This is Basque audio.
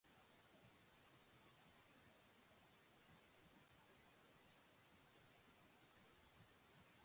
Oso pozik dago bere lanek duten harrerarekin, kanpoan etxean baina gehiago.